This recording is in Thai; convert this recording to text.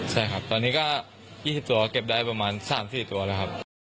ใช่ครับตอนนี้ก็๒๐ตัวรู้ผิดสองตัวเก็บได้ประมาณสามสี่ตัวนะครับ